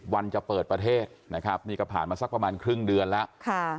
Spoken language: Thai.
จะเปิดประเทศนะครับนี่ก็ผ่านมาสักประมาณครึ่งเดือนแล้ว